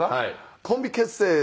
コンビ結成